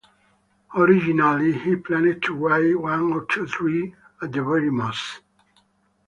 Originally he "planned to write one or two - three at the very most".